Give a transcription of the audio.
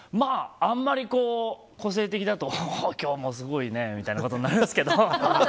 あんまり個性的だと今日もすごいねみたいなことになりますけど。